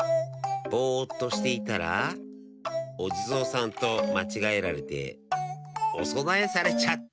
ぼっとしていたらおじぞうさんとまちがえられておそなえされちゃった。